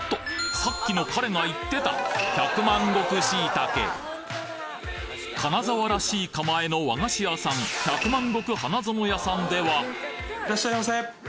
さっきの彼が言ってた金沢らしい構えの和菓子屋さん百万石花園屋さんでは・いらっしゃいませ！